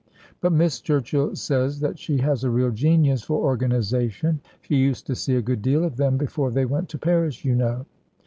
But Miss Churchill says that she has a real genius for organization. She used to see a good deal of them, before they went to Paris, you know."